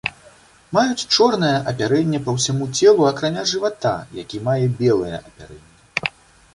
Маюць чорнае апярэнне па ўсяму целу, акрамя жывата які мае белае апярэнне.